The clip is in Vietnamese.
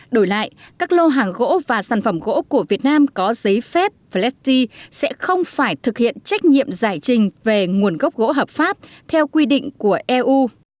đổi lại các lô hàng gỗ và sản phẩm gỗ của việt nam có giấy phép fleste sẽ không phải thực hiện trách nhiệm giải trình về nguồn gốc gỗ hợp pháp theo quy định của eu